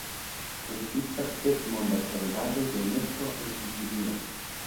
Ekzistas sep mondaj heredaĵoj de Unesko en Sicilio.